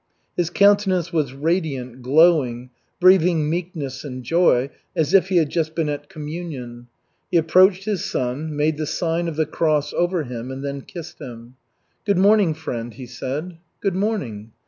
His countenance was radiant, glowing, breathing meekness and joy, as if he had just been at communion. He approached his son, made the sign of the cross over him, and then kissed him. "Good morning, friend," he said. "Good morning."